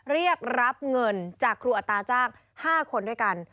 เรียกรับเงินจากครูอัตราจ้าง๕คนด้วยกัน